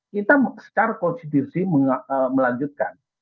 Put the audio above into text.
kita secara konstitusi melanjutkan